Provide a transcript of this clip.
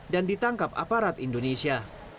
dan ditangkap aparat indonesia